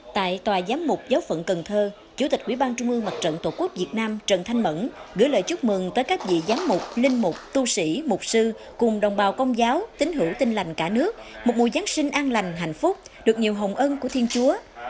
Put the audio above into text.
tại tòa giám mục giáo phận cần thơ chủ tịch quỹ ban trung ương mặt trận tổ quốc việt nam trần thanh mẫn gửi lời chúc mừng tới các vị giám mục linh mục tu sĩ mục sư cùng đồng bào công giáo tính hữu tin lành cả nước một mùa giáng sinh an lành hạnh phúc được nhiều hồng ân của thiên chúa